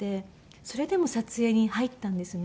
それでも撮影に入ったんですね。